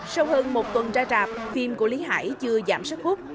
sau hơn một tuần ra rạp phim của lý hải chưa giảm sức hút